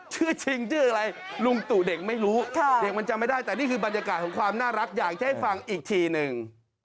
ชื่อจริงชื่ออะไรลุงตู่เด็กไม่รู้เด็กมันจำไม่ได้แต่นี่คือบรรยากาศของความน่ารักอยากจะให้ฟังอีกทีหนึ่ง